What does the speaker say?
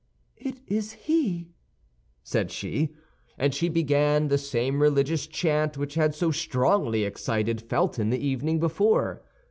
"It is he," said she. And she began the same religious chant which had so strongly excited Felton the evening before.